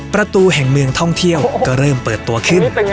ประตูแห่งเมืองท่องเที่ยวก็เริ่มเปิดตัวขึ้น